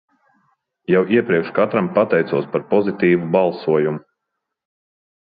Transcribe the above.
Jau iepriekš katram pateicos par pozitīvu balsojumu!